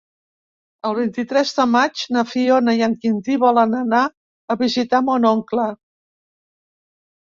El vint-i-tres de maig na Fiona i en Quintí volen anar a visitar mon oncle.